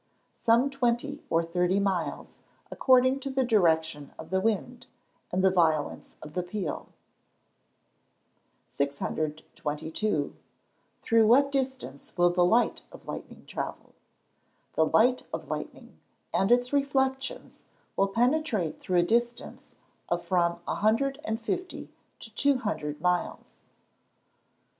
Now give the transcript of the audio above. _ Some twenty or thirty miles, according to the direction of the wind, and the violence of the peal. 622. Through what distance will the light of lightning travel? The light of lightning, and its reflections, will penetrate through a distance of from a hundred and fifty to two hundred miles.